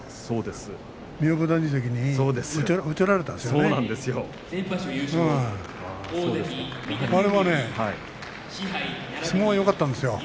そうです。